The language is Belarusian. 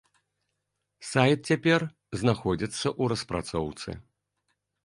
Сайт цяпер знаходзіцца ў распрацоўцы.